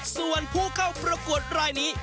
ส่วนผู้เข้าประกวดรายนี้